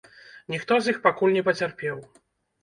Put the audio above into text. Ніхто з іх пакуль не пацярпеў.